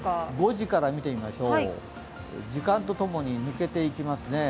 ５時から見てみましょう時間とともに抜けていきますね。